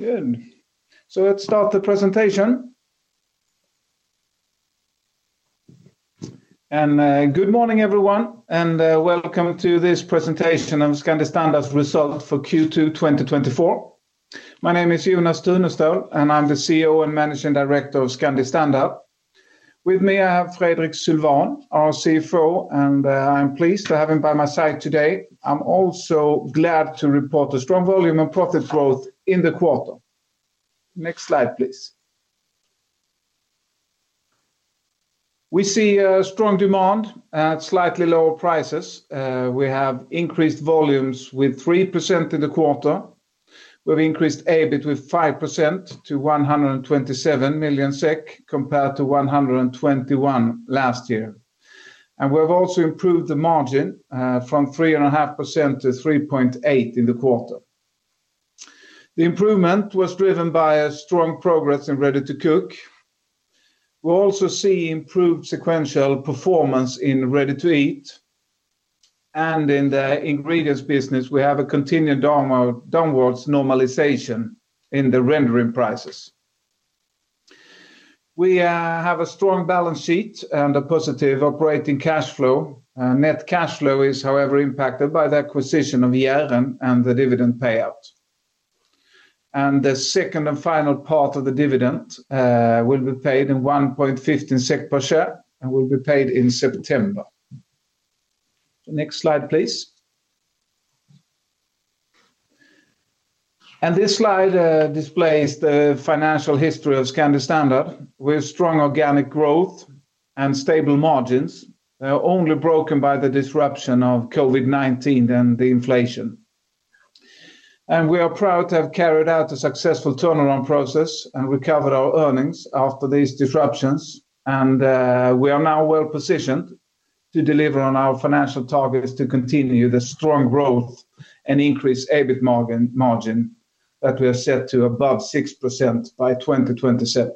Good. So let's start the presentation. And good morning, everyone, and welcome to this presentation of Scandi Standard's Result for Q2 2024. My name is Jonas Tunestål, and I'm the CEO and Managing Director of Scandi Standard. With me, I have Fredrik Sylwan, our CFO, and I'm pleased to have him by my side today. I'm also glad to report a strong volume and profit growth in the quarter. Next slide, please. We see a strong demand at slightly lower prices. We have increased volumes with 3% in the quarter. We've increased EBIT with 5% to 127 million SEK, compared to 121 million last year. And we've also improved the margin from 3.5%-3.8% in the quarter. The improvement was driven by a strong progress in Ready-to-Cook. We're also seeing improved sequential performance in Ready-to-Eat, and in the ingredients business, we have a continued downwards normalization in the rendering prices. We have a strong balance sheet and a positive operating cash flow. Net cash flow is, however, impacted by the acquisition of Jæren and the dividend payout. The second and final part of the dividend will be paid in 1.15 SEK per share and will be paid in September. Next slide, please. This slide displays the financial history of Scandi Standard, with strong organic growth and stable margins, only broken by the disruption of COVID-19 and the inflation. We are proud to have carried out a successful turnaround process and recovered our earnings after these disruptions, and we are now well positioned to deliver on our financial targets to continue the strong growth and increase EBIT margin that we have set to above 6% by 2027.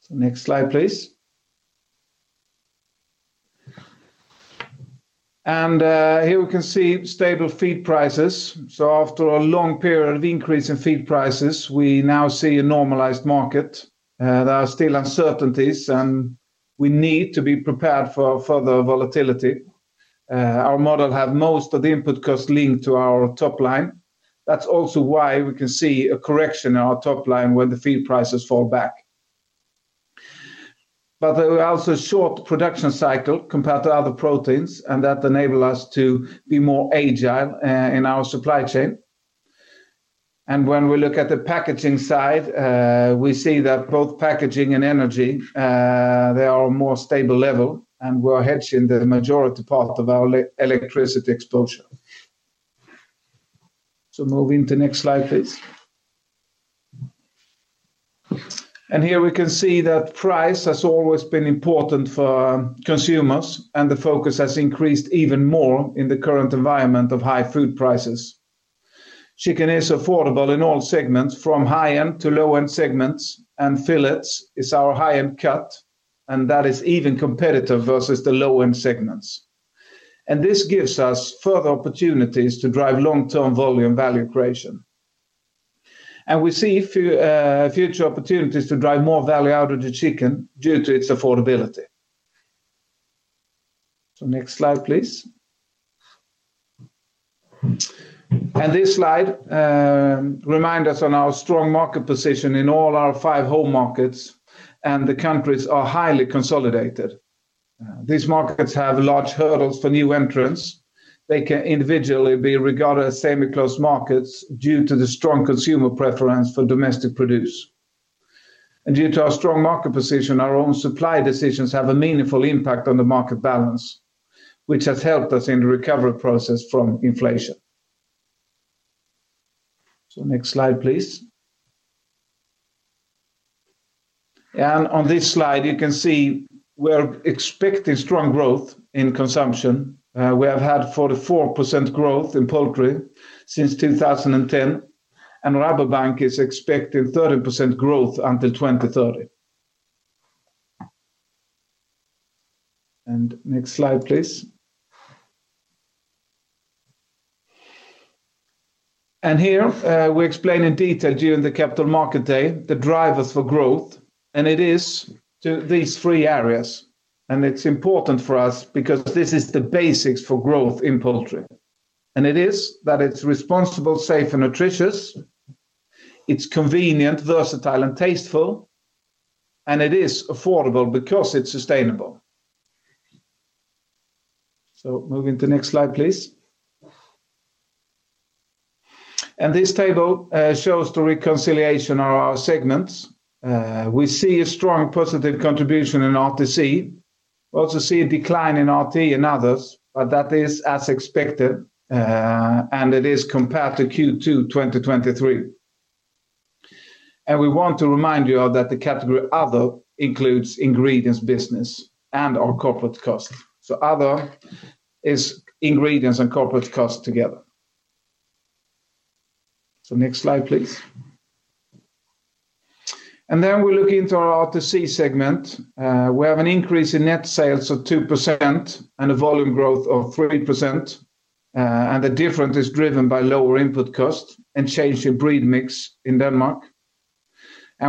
So next slide, please. Here we can see stable feed prices. After a long period of increase in feed prices, we now see a normalized market. There are still uncertainties, and we need to be prepared for further volatility. Our model have most of the input costs linked to our top line. That's also why we can see a correction in our top line when the feed prices fall back. There are also short production cycle compared to other proteins, and that enable us to be more agile in our supply chain. When we look at the packaging side, we see that both packaging and energy, they are more stable level, and we're hedging the majority part of our electricity exposure. Moving to next slide, please. Here we can see that price has always been important for consumers, and the focus has increased even more in the current environment of high food prices. Chicken is affordable in all segments, from high-end to low-end segments, and fillets is our high-end cut, and that is even competitive versus the low-end segments. This gives us further opportunities to drive long-term volume value creation. We see future opportunities to drive more value out of the chicken due to its affordability. So next slide, please. And this slide reminds us on our strong market position in all our 5 home markets, and the countries are highly consolidated. These markets have large hurdles for new entrants. They can individually be regarded as semi-closed markets due to the strong consumer preference for domestic produce. And due to our strong market position, our own supply decisions have a meaningful impact on the market balance, which has helped us in the recovery process from inflation. So next slide, please. And on this slide, you can see we're expecting strong growth in consumption. We have had 44% growth in poultry since 2010, and Rabobank is expecting 30% growth until 2030. And next slide, please. Here, we explain in detail during the Capital Market Day, the drivers for growth, and it is to these three areas, and it's important for us because this is the basics for growth in poultry. And it is that it's responsible, safe, and nutritious, it's convenient, versatile, and tasteful, and it is affordable because it's sustainable. So moving to the next slide, please. And this table shows the reconciliation of our segments. We see a strong positive contribution in RTC. We also see a decline in RTE and Others, but that is as expected, and it is compared to Q2 2023. And we want to remind you of that the category, Other, includes ingredients business, and our corporate costs. So Other is ingredients and corporate costs together. So next slide, please. And then we look into our RTC segment. We have an increase in net sales of 2% and a volume growth of 3%. The difference is driven by lower input costs and change in breed mix in Denmark.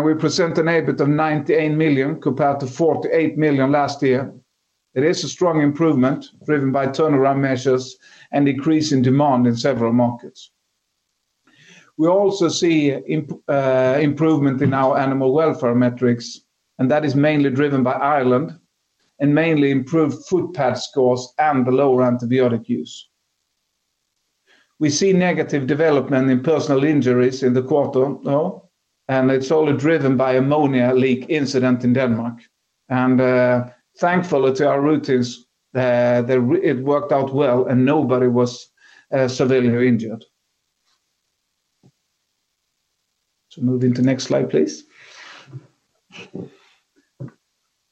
We present an EBIT of 98 million compared to 48 million last year. It is a strong improvement driven by turnaround measures and decrease in demand in several markets. We also see improvement in our animal welfare metrics, and that is mainly driven by Ireland, and mainly improved foot pad scores and lower antibiotic use. We see negative development in personal injuries in the quarter, though, and it's only driven by ammonia leak incident in Denmark. Thankfully to our routines, it worked out well, and nobody was severely injured. So moving to next slide, please.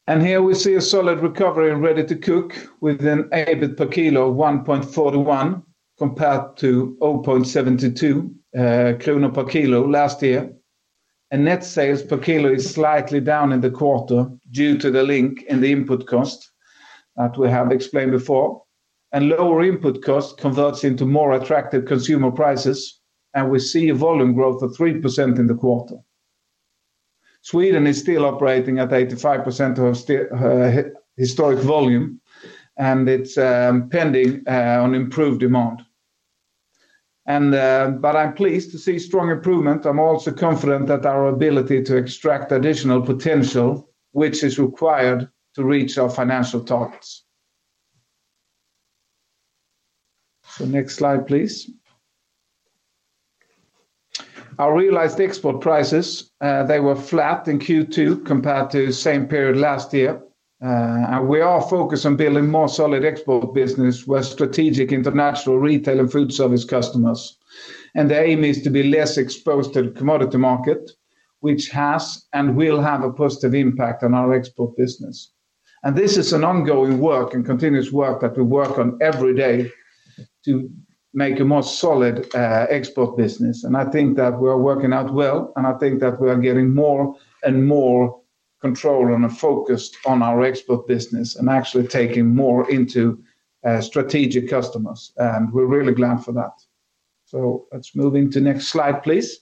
Here we see a solid recovery in Ready-to-Cook, with an EBIT per k of 1.41, compared to 0.72 kronor per k last year. Net sales per k is slightly down in the quarter due to the link in the input cost that we have explained before. Lower input cost converts into more attractive consumer prices, and we see a volume growth of 3% in the quarter. Sweden is still operating at 85% of historic volume, and it's pending on improved demand. But I'm pleased to see strong improvement. I'm also confident at our ability to extract additional potential, which is required to reach our financial targets. Next slide, please. Our realized export prices, they were flat in Q2 compared to the same period last year. We are focused on building more solid export business with strategic international retail and food service customers. The aim is to be less exposed to the commodity market, which has and will have a positive impact on our export business. This is an ongoing work and continuous work that we work on every day to make a more solid export business. I think that we are working out well, and I think that we are getting more and more control and a focus on our export business, and actually taking more into strategic customers, and we're really glad for that. So let's move into next slide, please.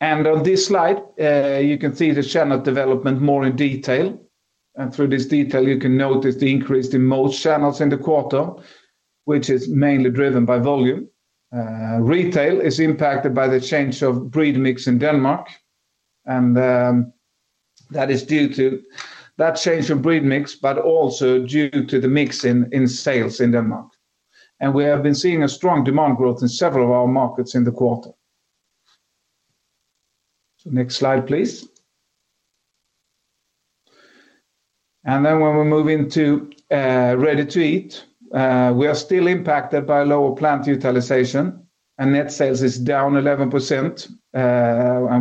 On this slide, you can see the channel development more in detail. Through this detail, you can notice the increase in most channels in the quarter, which is mainly driven by volume. Retail is impacted by the change of breed mix in Denmark, and that is due to that change in breed mix, but also due to the mix in sales in Denmark. We have been seeing a strong demand growth in several of our markets in the quarter. So next slide, please. Then when we move into Ready-to-Eat, we are still impacted by lower plant utilization, and net sales is down 11%.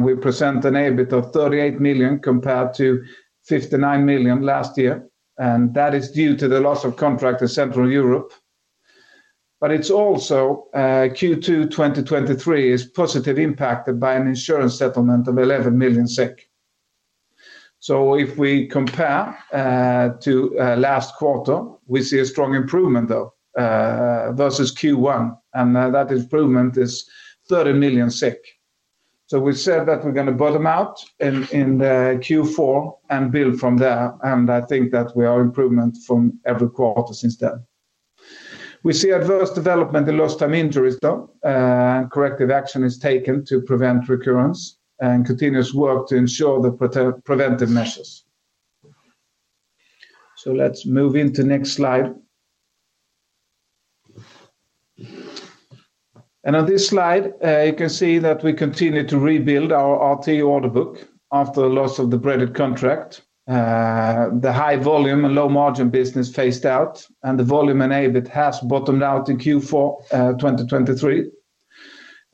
We present an EBIT of 38 million compared to 59 million last year, and that is due to the loss of contract in Central Europe. But Q2 2023 is positively impacted by an insurance settlement of 11 million SEK. So if we compare to last quarter, we see a strong improvement, though, versus Q1, and that improvement is 30 million SEK. So we said that we're gonna bottom out in Q4 and build from there, and I think that we are improvement from every quarter since then. We see adverse development in lost time injuries, though, and corrective action is taken to prevent recurrence and continuous work to ensure the preventive measures. So let's move into next slide. And on this slide, you can see that we continue to rebuild our RT order book after the loss of the breaded contract. The high volume and low margin business phased out, and the volume and EBIT has bottomed out in Q4, 2023.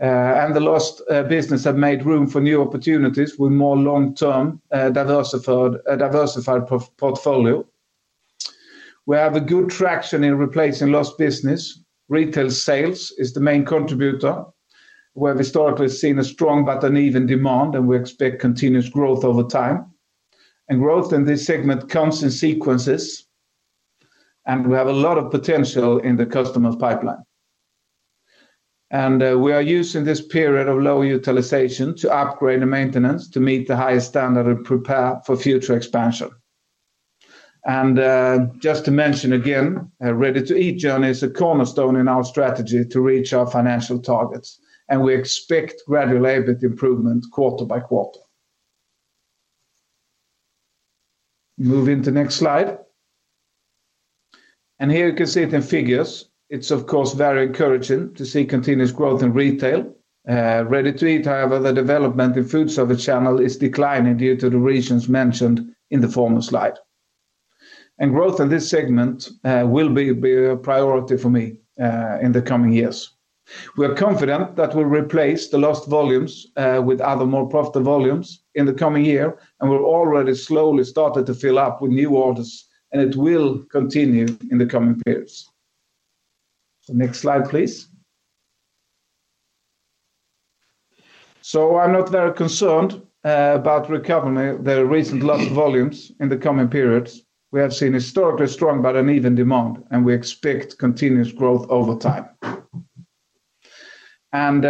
The lost business have made room for new opportunities with more long-term diversified portfolio. We have a good traction in replacing lost business. Retail sales is the main contributor, where we historically seen a strong but uneven demand, and we expect continuous growth over time. Growth in this segment comes in sequences, and we have a lot of potential in the customer pipeline. We are using this period of low utilization to upgrade the maintenance to meet the highest standard and prepare for future expansion. Just to mention again, Ready-to-Eat journey is a cornerstone in our strategy to reach our financial targets, and we expect gradual EBIT improvement quarter by quarter. Move into next slide. Here you can see it in figures. It's of course very encouraging to see continuous growth in retail. Ready-to-Eat, however, the development in food service channel is declining due to the reasons mentioned in the former slide. Growth in this segment will be a priority for me in the coming years. We are confident that we'll replace the lost volumes with other more profitable volumes in the coming year, and we've already slowly started to fill up with new orders, and it will continue in the coming periods. So, next slide, please. So I'm not very concerned about recovery, the recent lost volumes in the coming periods. We have seen historically strong but uneven demand, and we expect continuous growth over time. And,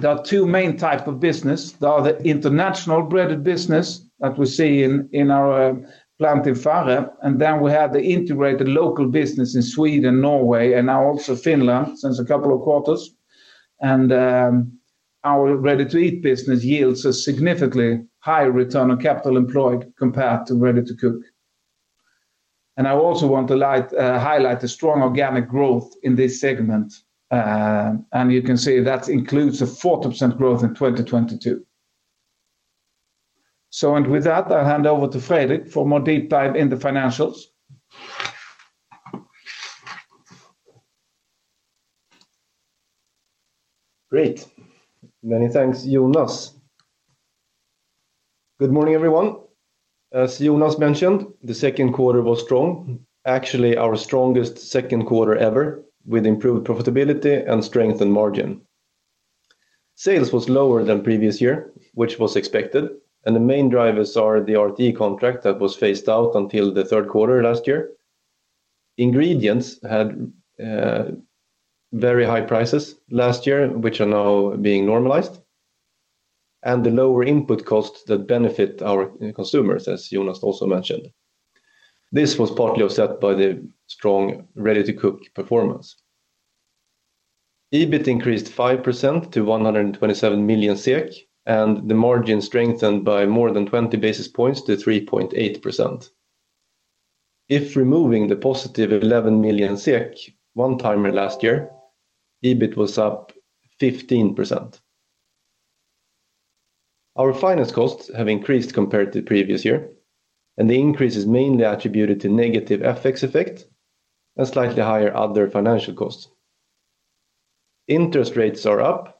there are two main types of business. There are the international breaded business that we see in our plant in Farre, and then we have the integrated local business in Sweden, Norway, and now also Finland, since a couple of quarters. And our ready-to-eat business yields a significantly higher return on capital employed compared to ready-to-cook. And I also want to highlight the strong organic growth in this segment. And you can see that includes a 40% growth in 2022. So and with that, I'll hand over to Fredrik for more deep dive in the financials. Great. Many thanks, Jonas. Good morning, everyone. As Jonas mentioned, the second quarter was strong, actually our strongest second quarter ever, with improved profitability and strength in margin. Sales was lower than previous year, which was expected, and the main drivers are the RTE contract that was phased out until the third quarter last year. Ingredients had very high prices last year, which are now being normalized, and the lower input costs that benefit our consumers, as Jonas also mentioned. This was partly offset by the strong ready-to-cook performance. EBIT increased 5% to 127 million SEK, and the margin strengthened by more than 20 basis points to 3.8%. If removing the +11 million SEK one timer last year, EBIT was up 15%. Our finance costs have increased compared to previous year, and the increase is mainly attributed to negative FX effect and slightly higher other financial costs. Interest rates are up,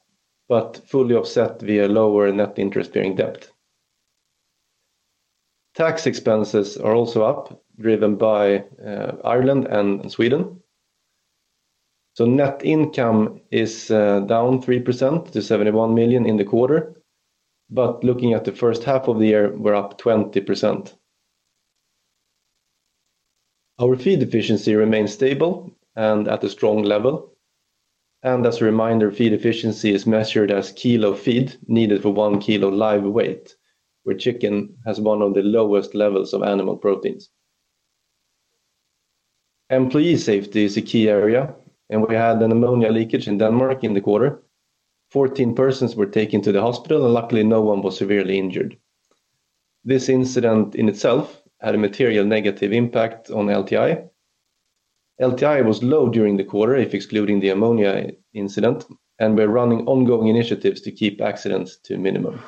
but fully offset via lower net interest-bearing debt. Tax expenses are also up, driven by Ireland and Sweden. So net income is down 3% to 71 million in the quarter, but looking at the first half of the year, we're up 20%. Our feed efficiency remains stable and at a strong level. And as a reminder, feed efficiency is measured as kilo feed needed for one kilo live weight, where chicken has one of the lowest levels of animal proteins. Employee safety is a key area, and we had an ammonia leakage in Denmark in the quarter. 14 persons were taken to the hospital, and luckily, no one was severely injured. This incident in itself had a material negative impact on LTI. LTI was low during the quarter, if excluding the ammonia incident, and we're running ongoing initiatives to keep accidents to a minimum.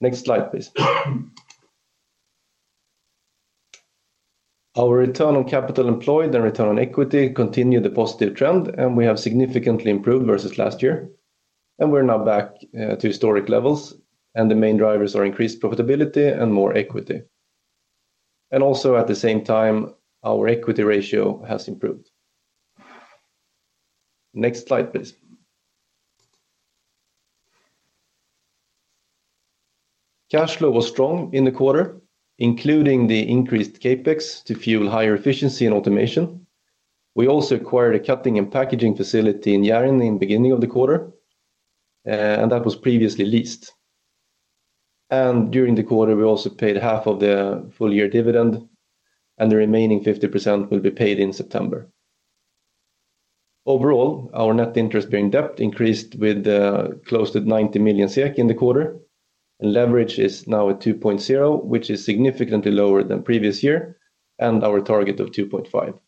Next slide, please. Our return on capital employed and return on equity continued the positive trend, and we have significantly improved versus last year, and we're now back to historic levels, and the main drivers are increased profitability and more equity. And also, at the same time, our equity ratio has improved. Next slide, please. Cash flow was strong in the quarter, including the increased CapEx to fuel higher efficiency and automation. We also acquired a cutting and packaging facility in Jæren in the beginning of the quarter, and that was previously leased. During the quarter, we also paid half of the full year dividend, and the remaining 50% will be paid in September. Overall, our net interest-bearing debt increased with close to 90 million SEK in the quarter. Leverage is now at 2.0, which is significantly lower than previous year, and our target of 2.5.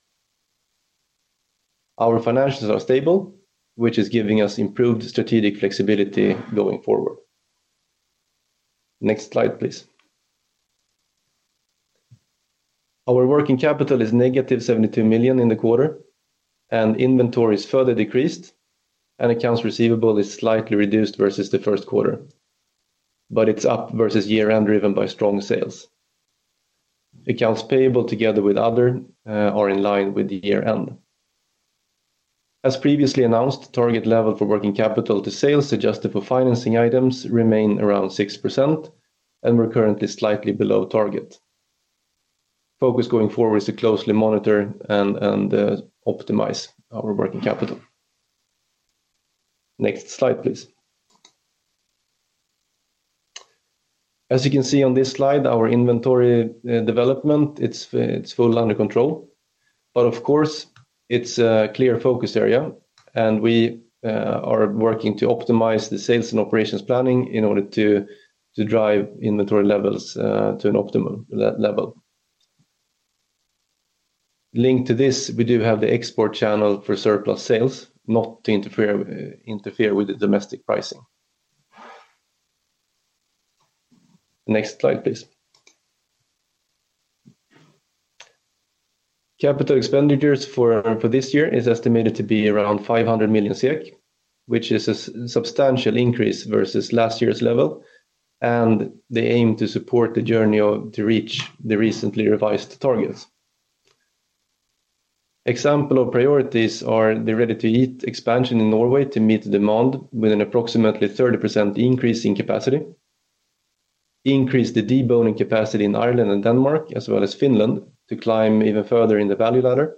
Our financials are stable, which is giving us improved strategic flexibility going forward. Next slide, please. Our working capital is SEK-70 million in the quarter, and inventory is further decreased, and accounts receivable is slightly reduced versus the first quarter, but it's up versus year-end, driven by strong sales. Accounts payable, together with other, are in line with the year-end. As previously announced, target level for working capital to sales, adjusted for financing items, remain around 6%, and we're currently slightly below target. Focus going forward is to closely monitor and optimize our working capital. Next slide, please. As you can see on this slide, our inventory development, it's full under control, but of course, it's a clear focus area, and we are working to optimize the sales and operations planning in order to drive inventory levels to an optimum level. Linked to this, we do have the export channel for surplus sales, not to interfere with the domestic pricing. Next slide, please. Capital expenditures for this year is estimated to be around 500 million, which is a substantial increase versus last year's level, and they aim to support the journey to reach the recently revised targets. Examples of priorities are the ready-to-eat expansion in Norway to meet the demand with an approximately 30% increase in capacity, increase the deboning capacity in Ireland and Denmark, as well as Finland, to climb even further in the value ladder.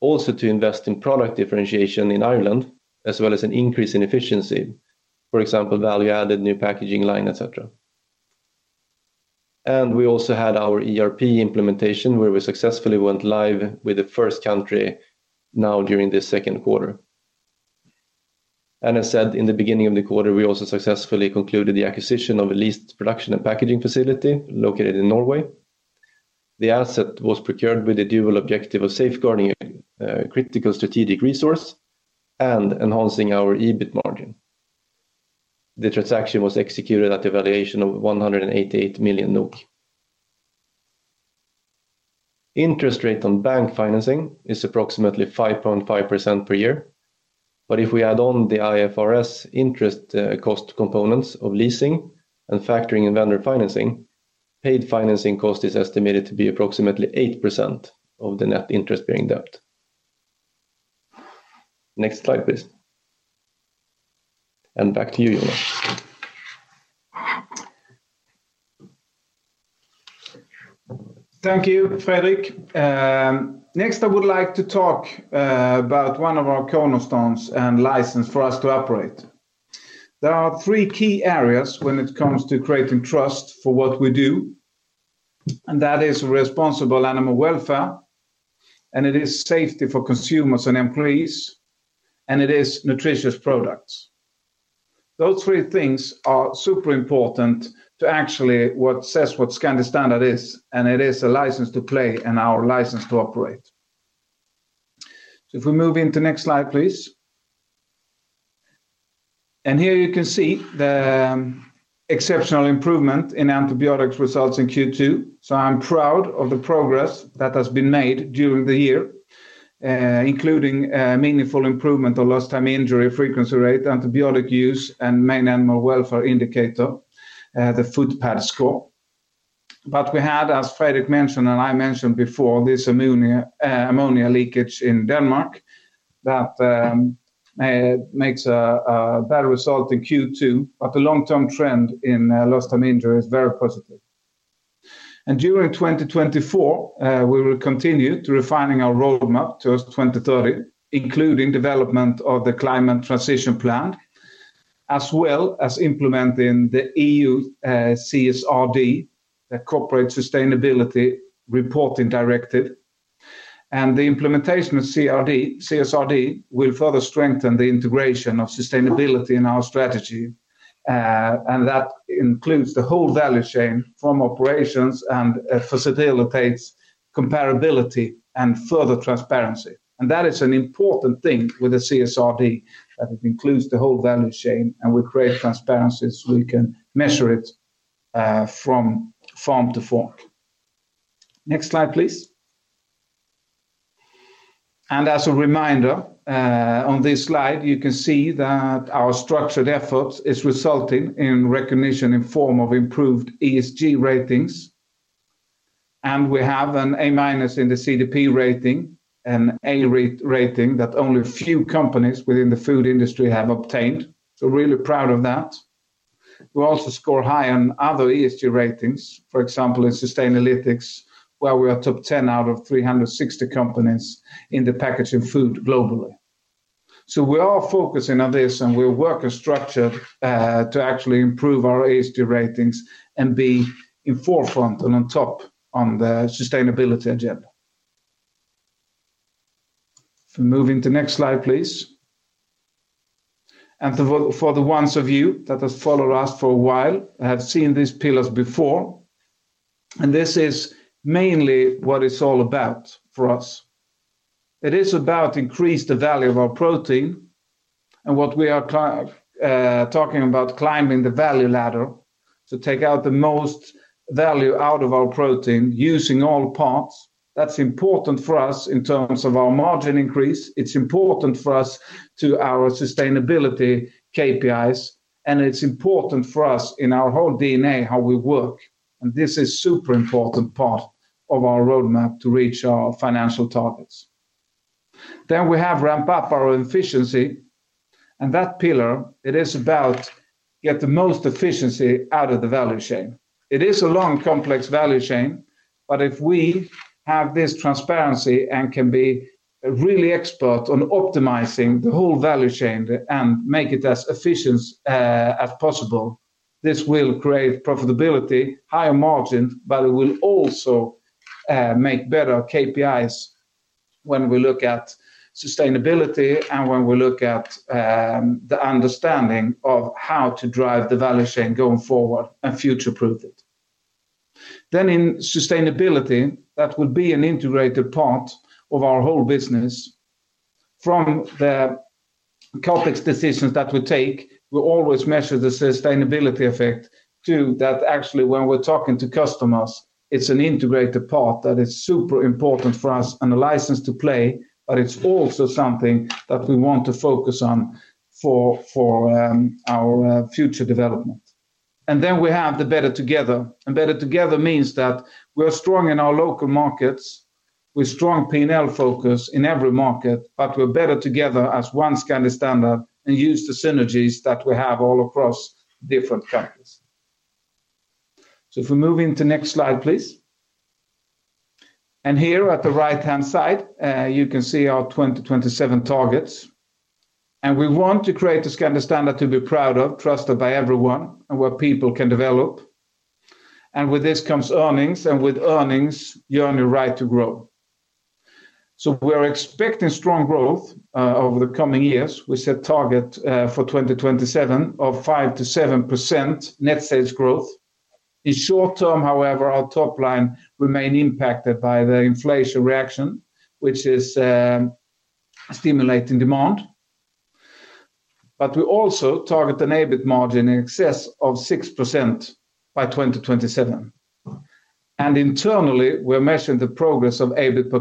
Also, to invest in product differentiation in Ireland, as well as an increase in efficiency. For example, value added, new packaging line, et cetera. And we also had our ERP implementation, where we successfully went live with the first country now during this second quarter. And I said in the beginning of the quarter, we also successfully concluded the acquisition of a leased production and packaging facility located in Norway. The asset was procured with the dual objective of safeguarding critical strategic resource and enhancing our EBIT margin. The transaction was executed at a valuation of 188 million NOK. Interest rate on bank financing is approximately 5.5% per year, but if we add on the IFRS interest, cost components of leasing and factoring and vendor financing, paid financing cost is estimated to be approximately 8% of the net interest-bearing debt. Next slide, please. And back to you, Jonas. Thank you, Fredrik. Next, I would like to talk about one of our cornerstones and license for us to operate. There are three key areas when it comes to creating trust for what we do, and that is responsible animal welfare, and it is safety for consumers and employees, and it is nutritious products. Those three things are super important to actually what says what Scandi Standard is, and it is a license to play and our license to operate. So if we move into next slide, please. And here you can see the exceptional improvement in antibiotics results in Q2. So I'm proud of the progress that has been made during the year, including a meaningful improvement on lost time injury, frequency rate, antibiotic use, and main animal welfare indicator, the foot pad score. But we had, as Fredrik mentioned and I mentioned before, this ammonia leakage in Denmark that makes a better result in Q2, but the long-term trend in lost time injury is very positive. During 2024, we will continue to refining our roadmap to 2030, including development of the climate transition plan, as well as implementing the EU CSRD, the Corporate Sustainability Reporting Directive. The implementation of CSRD will further strengthen the integration of sustainability in our strategy, and that includes the whole value chain from operations and facilitates comparability and further transparency. That is an important thing with the CSRD, that it includes the whole value chain, and we create transparency, so we can measure it from farm to fork. Next slide, please. As a reminder, on this slide, you can see that our structured efforts is resulting in recognition in form of improved ESG ratings. We ve an A minus in the CDP rating, an A re- rating that only a few companies within the food industry have obtained, so really proud of that. We also score high on other ESG ratings, for example, in Sustainalytics, where we are top 10 out of 360 companies in the packaging food globally. So we are focusing on this, and we work a structure to actually improve our ESG ratings and be in forefront and on top on the sustainability agenda. So moving to next slide, please. For the ones of you that have followed us for a while, have seen these pillars before, and this is mainly what it's all about for us. It is about increase the value of our protein and what we are talking about climbing the value ladder, to take out the most value out of our protein, using all parts. That's important for us in terms of our margin increase. It's important for us to our sustainability KPIs, and it's important for us in our whole DNA, how we work, and this is super important part of our roadmap to reach our financial targets. Then we have ramp up our efficiency, and that pillar, it is about get the most efficiency out of the value chain. It is a long, complex value chain, but if we have this transparency and can be really expert on optimizing the whole value chain and make it as efficient as possible, this will create profitability, higher margin, but it will also make better KPIs when we look at sustainability and when we look at the understanding of how to drive the value chain going forward and future-proof it. Then in sustainability, that would be an integrated part of our whole business. From the complex decisions that we take, we always measure the sustainability effect to that actually, when we're talking to customers, it's an integrated part that is super important for us and a license to play, but it's also something that we want to focus on for our future development. And then we have the Better Together, and Better Together means that we're strong in our local markets, with strong P&L focus in every market, but we're better together as one Scandi Standard, and use the synergies that we have all across different countries. So if we move into next slide, please. And here, at the right-hand side, you can see our 2027 targets, and we want to create a Scandi Standard to be proud of, trusted by everyone, and where people can develop. With this comes earnings, and with earnings, you earn your right to grow. We're expecting strong growth over the coming years. We set target for 2027 of 5%-7% net sales growth. In short term, however, our top line remain impacted by the inflation reaction, which is stimulating demand. We also target an EBIT margin in excess of 6% by 2027. Internally, we're measuring the progress of EBIT per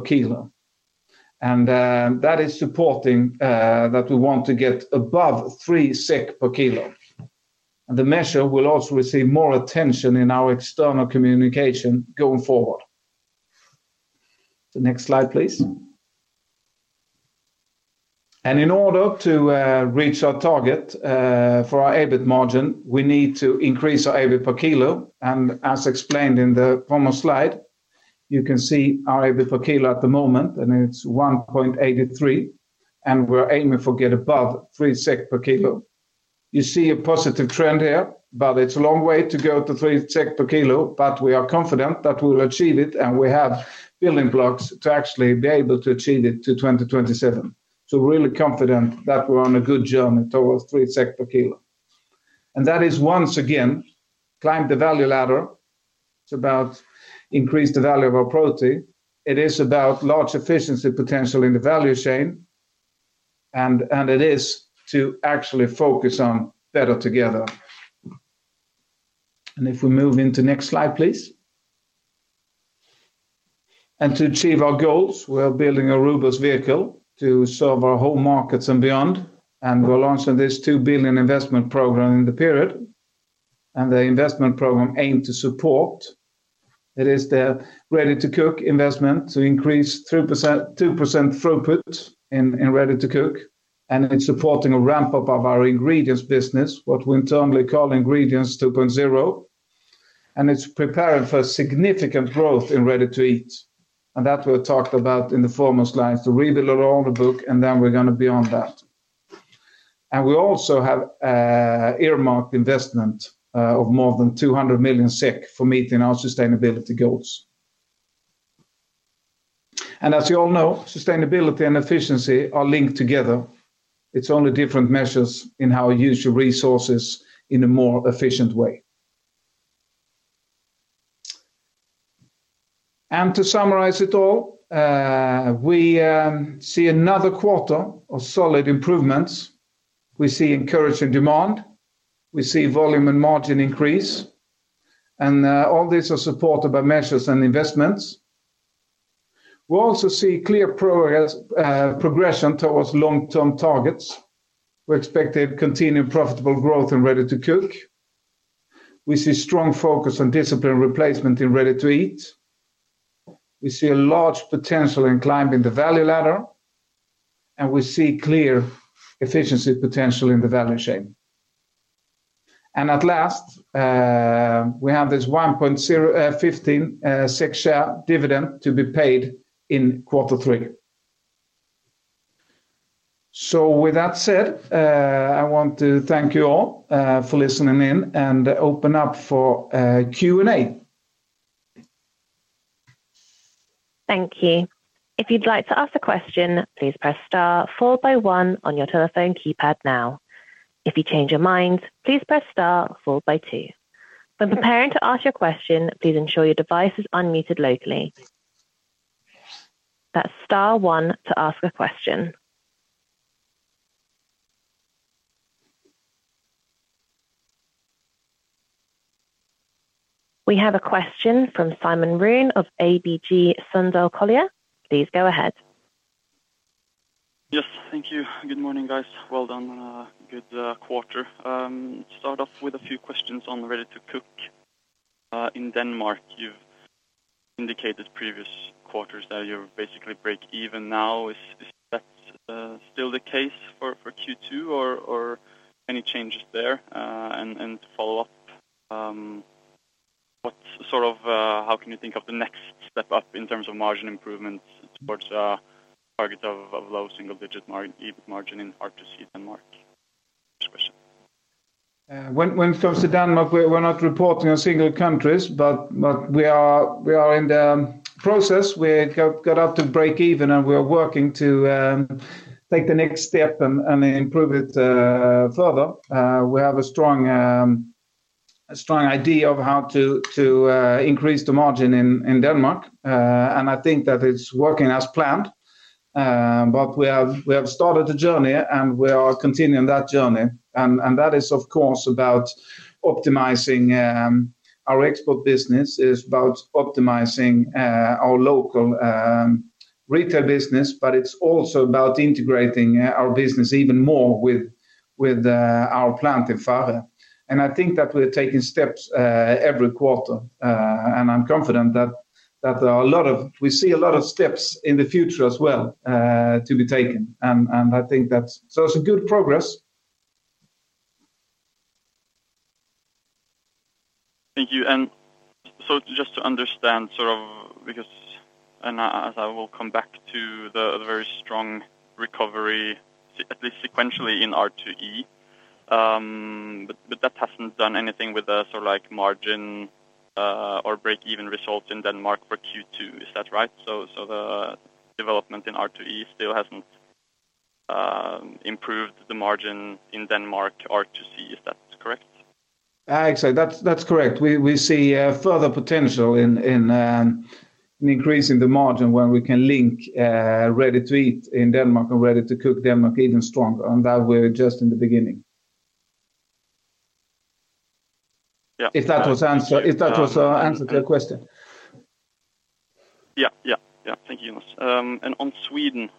k. That is supporting that we want to get above 3 SEK per k. The measure will also receive more attention in our external communication going forward. The next slide, please. In order to reach our target for our EBIT margin, we need to increase our EBIT per k, and as explained in the former slide, you can see our EBIT per k at the moment, and it's 1.83, and we're aiming for get above 3 SEK per k. You see a positive trend here, but it's a long way to go to 3 SEK per k, but we are confident that we'll achieve it, and we have building blocks to actually be able to achieve it to 2027. So we're really confident that we're on a good journey towards 3 per k. And that is, once again, climb the value ladder. It's about increase the value of our protein. It is about large efficiency potential in the value chain, and it is to actually focus on Better Together. And if we move into next slide, please. To achieve our goals, we are building a robust vehicle to serve our home markets and beyond, and we're launching this 2 billion investment program in the period, and the investment program aim to support. It is the ready-to-cook investment to increase 3%-2% throughput in ready-to-cook, and it's supporting a ramp-up of our ingredients business, what we internally call Ingredients 2.0, and it's preparing for significant growth in ready-to-eat. And that we talked about in the foremost lines, to read a little on the book, and then we're gonna be on that. And we also have earmarked investment of more than 200 million SEK for meeting our sustainability goals. And as you all know, sustainability and efficiency are linked together. It's only different measures in how you use your resources in a more efficient way. To summarize it all, we see another quarter of solid improvements. We see encouraging demand, we see volume and margin increase, and all these are supported by measures and investments. We also see clear progress, progression towards long-term targets. We're expecting continued profitable growth in Ready-to-Cook. We see strong focus on discipline replacement in Ready-to-Eat. We see a large potential in climbing the value ladder, and we see clear efficiency potential in the value chain. At last, we have this 1.15 share dividend to be paid in quarter three. With that said, I want to thank you all for listening in and open up for Q&A. Thank you. If you'd like to ask a question, please press star followed by one on your telephone keypad now. If you change your mind, please press star followed by two. When preparing to ask your question, please ensure your device is unmuted locally. That's star one to ask a question. We have a question from Simon Jönsson of ABG Sundal Collier. Please go ahead. Yes, thank you. Good morning, guys. Well done. Good quarter. Start off with a few questions on ready-to-cook. In Denmark, you've indicated previous quarters that you're basically break even now. Is that still the case for Q2, or any changes there? And to follow up, what's sort of how can you think of the next step up in terms of margin improvements towards target of low single-digit margin, EBIT margin in RTC Denmark? First question. When it comes to Denmark, we're not reporting on single countries, but we are in the process. We have got up to break even, and we are working to take the next step and improve it further. We have a strong idea of how to increase the margin in Denmark, and I think that it's working as planned. But we have started a journey, and we are continuing that journey, and that is, of course, about optimizing our export business. It's about optimizing our local retail business, but it's also about integrating our business even more with our plant in Farre. And I think that we're taking steps every quarter. And I'm confident that we see a lot of steps in the future as well to be taken. And I think that's. So it's a good progress. Thank you. So just to understand, sort of, because and as I will come back to the very strong recovery, at least sequentially in RTE, but that hasn't done anything with the, sort of, like, margin or break even results in Denmark for Q2. Is that right? So the development in RTE still hasn't improved the margin in Denmark RTC. Is that correct? Actually, that's correct. We see further potential in increasing the margin when we can link Ready-to-Eat in Denmark and Ready-to-Cook in Denmark even stronger, and that we're just in the beginning. Yeah. If that was answer, if that was answer to your question. Yeah, yeah, yeah. Thank you, Jonas. On Sweden,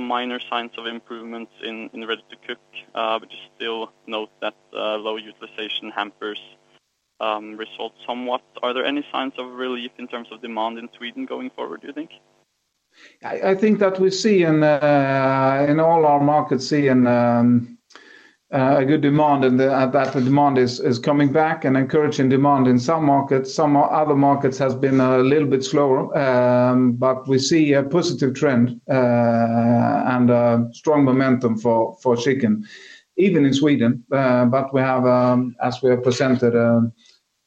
minor signs of improvements in, in ready-to-cook, but you still note that low utilization hampers results somewhat. Are there any signs of relief in terms of demand in Sweden going forward, do you think? I think that we see in all our markets good demand, and that the demand is coming back, and encouraging demand in some markets. Some other markets has been a little bit slower, but we see a positive trend, and strong momentum for chicken, even in Sweden. But we have, as we have presented,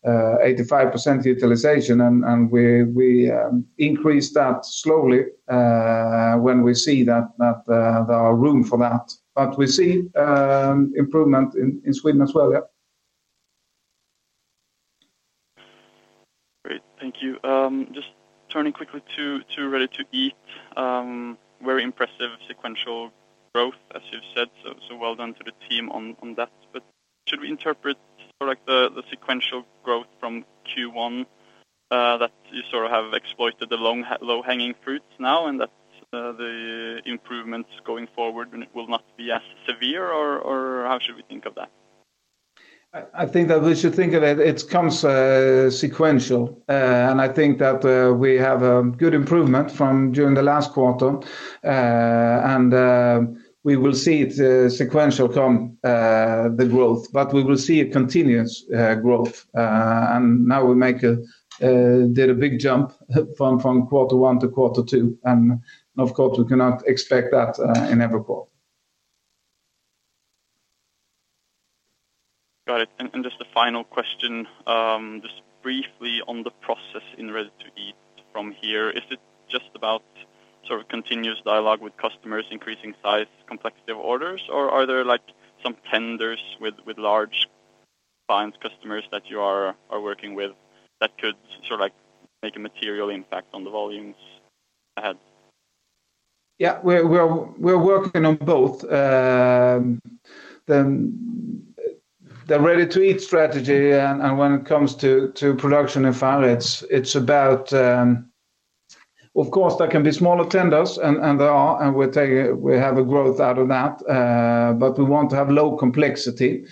85% utilization, and we increase that slowly, when we see that there are room for that. But we see improvement in Sweden as well, yeah. Great, thank you. Just turning quickly to Ready-to-Eat, very impressive sequential growth, as you've said. So, well done to the team on that. But should we interpret, sort of, like, the sequential growth from Q1, that you sort of have exploited the low-hanging fruit now, and that the improvements going forward will not be as severe, or how should we think of that? I think that we should think of it. It comes sequential. And I think that we have a good improvement from during the last quarter. And we will see it sequential come the growth. But we will see a continuous growth. And now we did a big jump from quarter one to quarter two, and of course, we cannot expect that in every quarter. Got it. And just a final question, just briefly on the process in Ready-to-Eat from here. Is it just about, sort of, continuous dialogue with customers, increasing size, complexity of orders, or are there, like, some tenders with large clients, customers that you are working with that could sort of, like, make a material impact on the volumes ahead? Yeah, we're working on both. The ready-to-eat strategy, and when it comes to production in Farre, it's about... Of course, there can be smaller tenders, and there are, and we have growth out of that, but we want to have low complexity.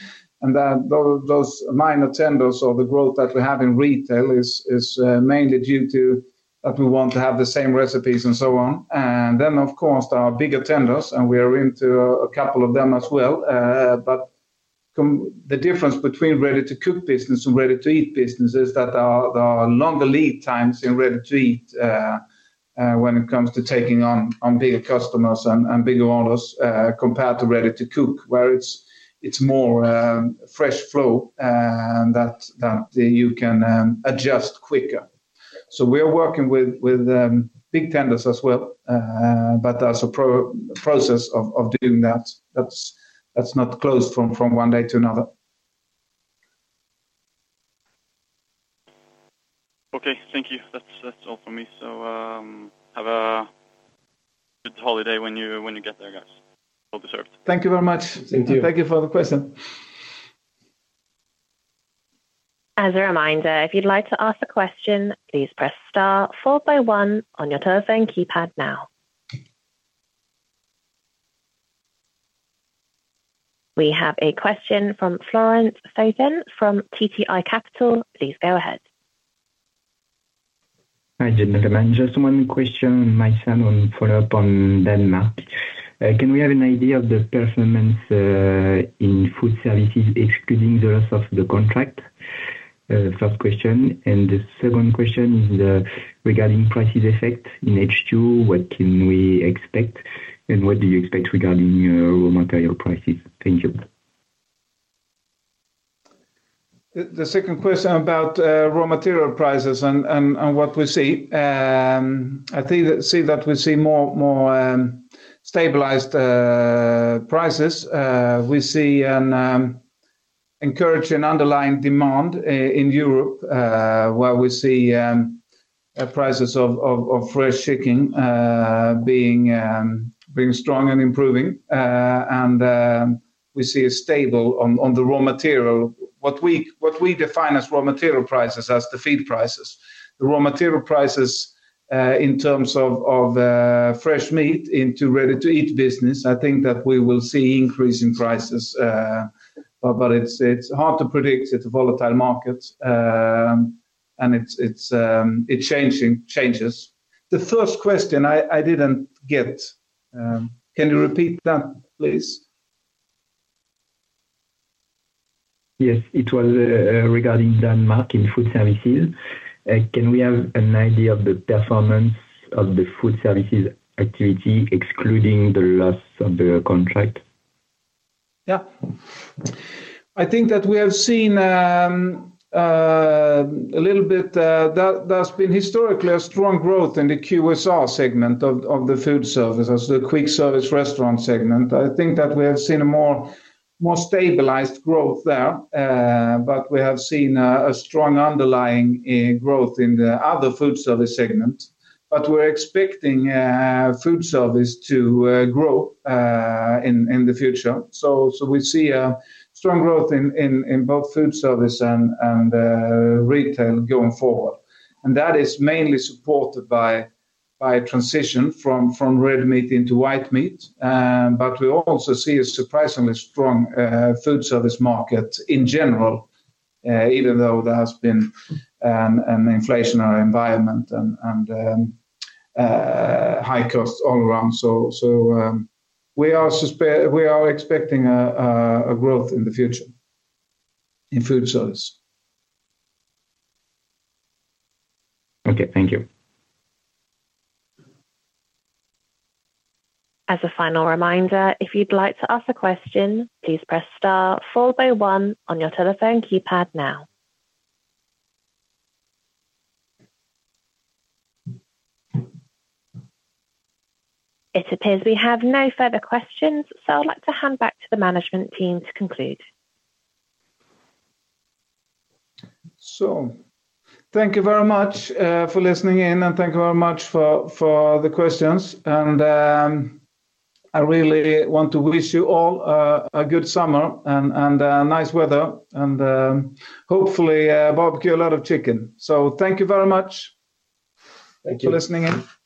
And then, those minor tenders or the growth that we have in retail is mainly due to that we want to have the same recipes and so on. And then, of course, there are bigger tenders, and we are into a couple of them as well. But the difference between Ready-to-Cook business and Ready-to-Eat business is that there are longer lead times in Ready-to-Eat, when it comes to taking on bigger customers and bigger orders, compared to Ready-to-Cook, where it's more fresh flow, and that you can adjust quicker. So we are working with big tenders as well, but there's a process of doing that. That's not closed from one day to another. Okay, thank you. That's, that's all for me. Have a good holiday when you, when you get there, guys. Well deserved. Thank you very much. Thank you. Thank you for the question. As a reminder, if you'd like to ask a question, please press star followed by one on your telephone keypad now. We have a question from Florence Fauvin from TTI. Please go ahead. Hi, gentlemen. Just one question, myself, on follow-up on Denmark. Can we have an idea of the performance in food services, excluding the rest of the contract? First question, and the second question is, regarding prices effect in H2, what can we expect, and what do you expect regarding raw material prices? Thank you. The second question about raw material prices and what we see, I think that we see stabilized prices. We see encouraging underlying demand in Europe, where we see prices of fresh chicken being strong and improving. And we see a stable raw material. What we define as raw material prices as the feed prices. The raw material prices in terms of fresh meat into ready-to-eat business, I think that we will see increase in prices. But it's hard to predict. It's a volatile market, and it changes. The first question I didn't get. Can you repeat that, please? Yes, it was, regarding Denmark in food services. Can we have an idea of the performance of the food services activity, excluding the loss of the contract? Yeah. I think that we have seen a little bit. There's been historically a strong growth in the QSR segment of the food services, the quick service restaurant segment. I think that we have seen a more stabilized growth there. But we have seen a strong underlying growth in the other food service segments. But we're expecting food service to grow in the future. So we see a strong growth in both food service and retail going forward. And that is mainly supported by a transition from red meat into white meat. But we also see a surprisingly strong food service market in general, even though there has been an inflationary environment and high costs all around. We are expecting a growth in the future in food service. Okay, thank you. As a final reminder, if you'd like to ask a question, please press star followed by one on your telephone keypad now. It appears we have no further questions, so I'd like to hand back to the management team to conclude. So thank you very much for listening in, and thank you very much for the questions. I really want to wish you all a good summer and nice weather, and hopefully barbecue a lot of chicken. So thank you very much- Thank you. for listening in.